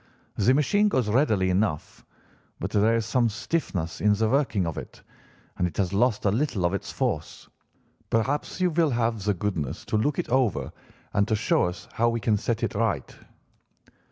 The machine goes readily enough, but there is some stiffness in the working of it, and it has lost a little of its force. Perhaps you will have the goodness to look it over and to show us how we can set it right.